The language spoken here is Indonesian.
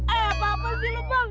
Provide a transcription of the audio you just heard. eh apaan sih lu bang